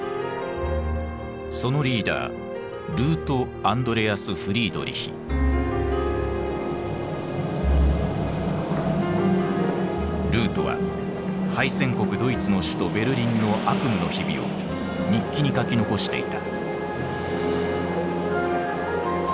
そのリーダールートは敗戦国ドイツの首都ベルリンの悪夢の日々を日記に書き残していた。